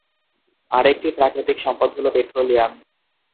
আরেকটি প্রাকৃতিক সম্পদ হলো পেট্রোলিয়াম।